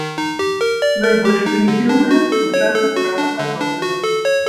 Найбольш прымітыўныя з сучасных ракападобных.